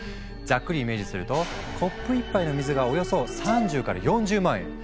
ざっくりイメージするとコップ１杯の水がおよそ３０から４０万円！